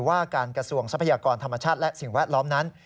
ว่าการกระทรวงทรัพยากรธรรมชาติและสิ่งแวดล้อมนั้น